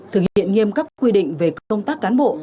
thực hiện nghiêm cấp quy định về công tác cán bộ